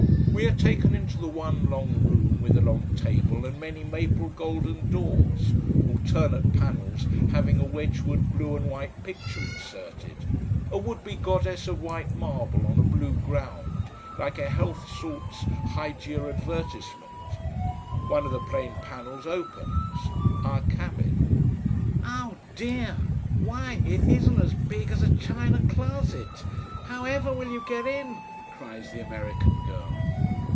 We are taken into the one long room with a long table and many maple golden doors, alternate panels having a wedge wood blue and white picture inserted a would be Goddess of white marble on a blue ground, like a health salts Hygeia advertisement. One of the plain panels opens our cabin. "Oh dear! Why it isn't as big as a china closet. However will you get in!" cries the American girl.